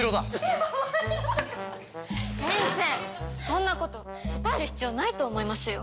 そんなこと答える必要ないと思いますよ。